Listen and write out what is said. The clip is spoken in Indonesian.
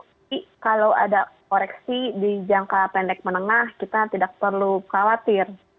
tapi kalau ada koreksi di jangka pendek menengah kita tidak perlu khawatir